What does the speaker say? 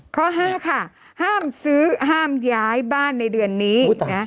ข้อ๕ค่ะห้ามซื้อห้ามย้ายบ้านในเดือนนี้นะ